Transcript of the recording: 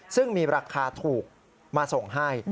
ซึ่งมีราคาถูกมาส่งให้